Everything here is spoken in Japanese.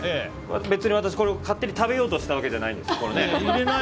別に私、これを勝手に食べようとしたわけじゃないんですよ。